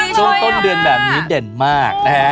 โธนเดือนแบบนี้เด่นมาก